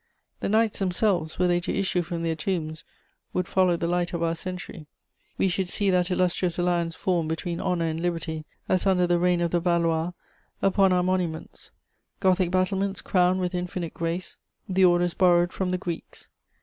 The knights themselves, were they to issue from their tombs, would follow the light of our century. We should see that illustrious alliance formed between honour and liberty, as under the reign of the Valois, upon our monuments. Gothic battlements crowned with infinite grace the orders borrowed from the Greeks.